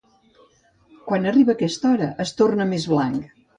Quan arriba aquesta hora es torna més blanc